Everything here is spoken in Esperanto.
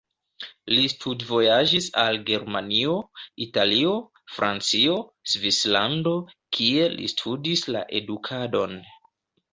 Li studvojaĝis al Germanio, Italio, Francio, Svislando, kie li studis la edukadon.